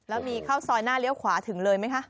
แล้วมีเข้าซอยหน้าเลี้ยวขวาถึงเลยไหมคะ